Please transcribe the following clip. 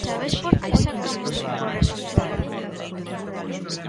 Sabes por que sacamos un bo resultado?